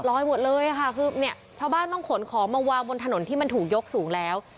ตายหมดเลยค่ะชาวบ้านต้องขนของมาวางบนถนนที่มันถูยกสูงแล้ว